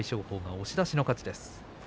押し出しの勝ちです。